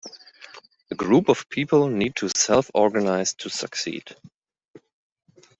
A group of people need to self-organize to succeed.